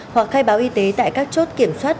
hoặc khai báo y tế tại các chốt kiểm soát